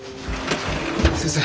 先生